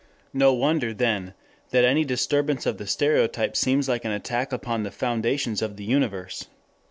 No wonder, then, that any disturbance of the stereotypes seems like an attack upon the foundations of the universe.